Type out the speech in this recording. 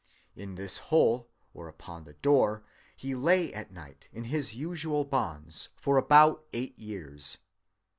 In this hole, or upon the door, he lay at night in his usual bonds, for about eight years.